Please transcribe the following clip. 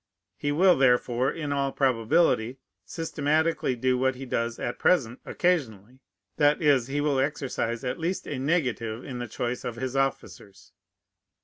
He will therefore, in all probability, systematically do what he does at present occasionally: that is, he will exercise at least a negative in the choice of his officers.